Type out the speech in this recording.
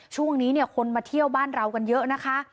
ช่วงนี้เนี่ยคนมาเที่ยวบ้านเรากันเยอะนะคะ